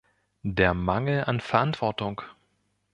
Der Mangel an Verantwortung.